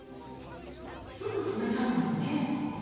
すぐ止めちゃうんですね。